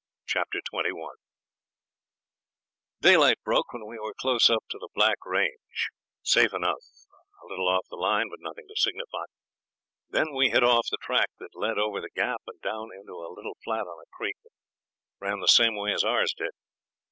Chapter 21 Daylight broke when we were close up to the Black Range, safe enough, a little off the line but nothing to signify. Then we hit off the track that led over the Gap and down into a little flat on a creek that ran the same way as ours did.